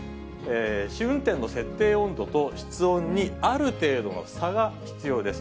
試運転の設定温度と室温にある程度の差が必要です。